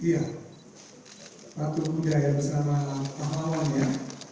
ia patung daya bersama pahlawannya